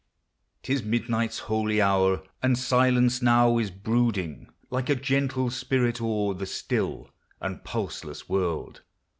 'T is midnight's holy hour, — and silence now Is brooding like a gentle spirit o'er The still and pulseless world.